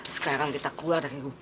sekarang kita keluar dari